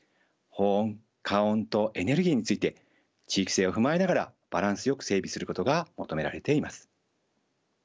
保温加温とエネルギーについて地域性を踏まえながらバランスよく整備することが求められています。